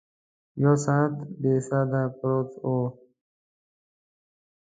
یو ساعت بې سده پرته وه.